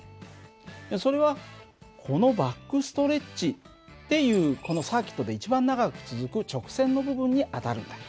それはこのバックストレッチっていうこのサーキットで一番長く続く直線の部分に当たるんだ。